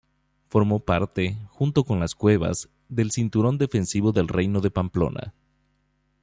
Formó parte, junto con las cuevas, del cinturón defensivo del reino de Pamplona.